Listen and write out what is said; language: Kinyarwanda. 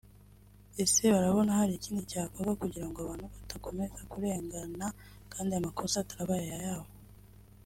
Ese barabona hari ikindi cyakorwa kugira ngo abantu batazakomeza kurengana kandi amakosa atarabaye ayabo